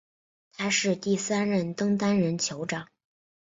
他是第三任登丹人酋长。